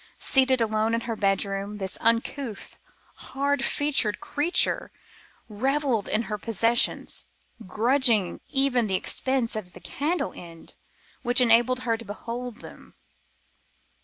Seated alone in her bedroom this uncouth, hard featured creature revelled in her possessions, grudging even the expense of the candle end which enabled her to behold them.